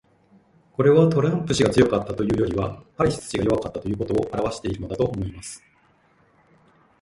これは、トランプ氏が強かったというよりはハリス氏が弱かったということを表してるのだと思います。